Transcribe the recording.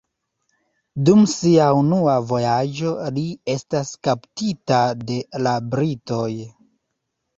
Dum sia unua vojaĝo li estas kaptita de la britoj.